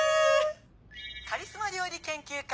カリスマ料理研究家